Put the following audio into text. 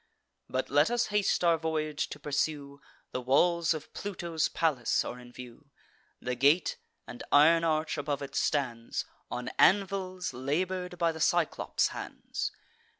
But let us haste our voyage to pursue: The walls of Pluto's palace are in view; The gate, and iron arch above it, stands On anvils labour'd by the Cyclops' hands.